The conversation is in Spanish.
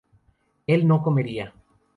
él no comiera